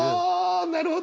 なるほど。